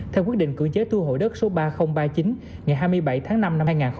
theo quyết định cưỡng chế thu hội đất số ba nghìn ba mươi chín ngày hai mươi bảy tháng năm năm hai nghìn hai mươi ba